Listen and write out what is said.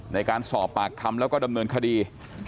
ในการสอบปากคำแล้วก็ดำเนินคดี